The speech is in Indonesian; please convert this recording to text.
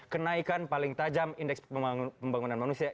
kenaikan paling tajam indeks pembangunan manusia